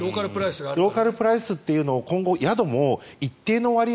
ローカルプライスっていうのを今後、宿も一定の割合